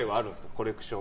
コレクション。